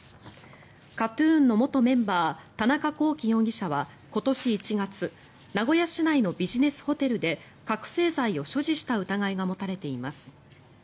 ＫＡＴ−ＴＵＮの元メンバー田中聖容疑者は今年１月名古屋市内のビジネスホテルで覚醒剤を所持した疑いが持たれています。